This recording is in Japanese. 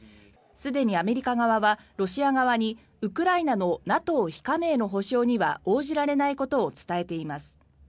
すでにアメリカ側はロシア側にウクライナのＮＡＴＯ非加盟の保証には応じられないことを伝えています。